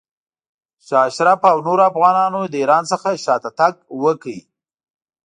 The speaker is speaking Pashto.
شاه اشرف او نورو افغانانو له ایران څخه شاته تګ وکړ.